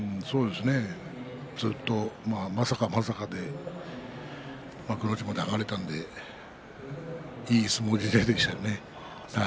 ずっと、まさかまさかで幕内まで上がれたのでいい相撲人生でしたね。